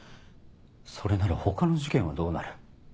それなら他の事件はどうなる？